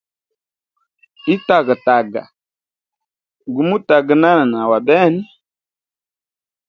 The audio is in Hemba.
Itagataga gumutaganana na wa bene.